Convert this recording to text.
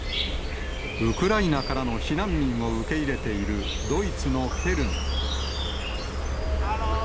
ウクライナからの避難民を受け入れている、ドイツのケルン。